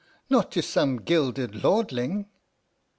Not to some gilded lordling?"